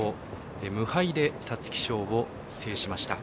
無敗で皐月賞を制しました。